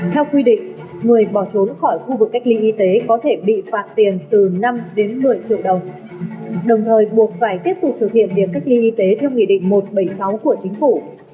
theo quy định người bỏ trốn khỏi khu vực cách ly y tế có thể bị phạt tiền từ năm đến một mươi triệu đồng đồng thời buộc phải tiếp tục thực hiện việc cách ly y tế theo nghị định một trăm bảy mươi sáu của chính phủ